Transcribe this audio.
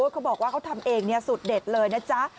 เขาบอกว่าเขาทำเองสูตรเด็ดเลยนะจ๊ะ